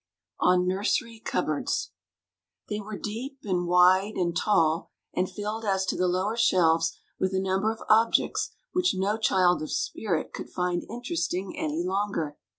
ON NURSERY CUPBOARDS THEY were deep and wide and tall, and filled as to the lower shelves with a number of objects which no child of spirit could find interesting any longer.